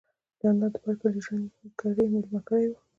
جانداد د بر کلي ژرندګړی ميلمه کړی و.